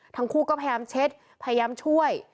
ทั้งคู่ก็พยายามเช็ดพยายามช่วย